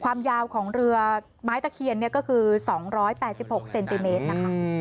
ความยาวของเรือไม้ตะเขียนเนี่ยก็คือสองร้อยแปดสิบหกเซนติเมตรนะคะ